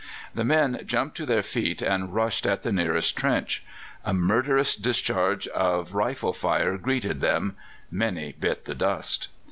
The men jumped to their feet and rushed at the nearest trench. A murderous discharge of rifle fire greeted them; many bit the dust.